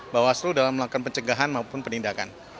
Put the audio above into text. bawaslu dalam melakukan pencegahan maupun penindakan